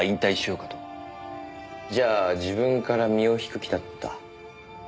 じゃあ自分から身を引く気だった。